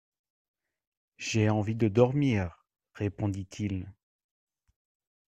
J'ai envie de dormir, répondit-il.